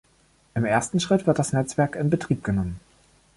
Im ersten Schritt wird das Netzwerk in Betrieb genommen.